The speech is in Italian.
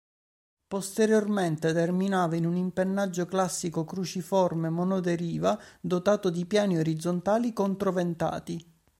Posteriormente terminava in un impennaggio classico cruciforme monoderiva dotato di piani orizzontali controventati.